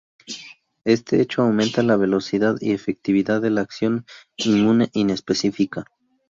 Este hecho aumenta la velocidad y efectividad de la acción inmune inespecífica.